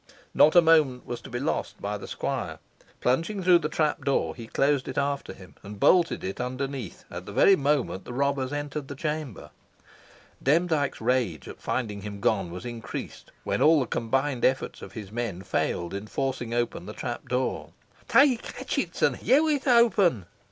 Not a moment was to be lost by the squire. Plunging through the trapdoor, he closed it after him, and bolted it underneath at the very moment the robbers entered the chamber. Demdike's rage at finding him gone was increased, when all the combined efforts of his men failed in forcing open the trapdoor. "Take hatchets and hew it open!"